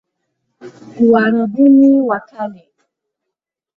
Uarabuni wa Kale